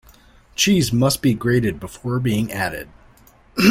Cheese must be grated before being added.